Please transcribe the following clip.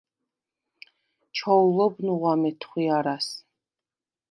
ჩოულობ ნუღვა მეთხვიარას: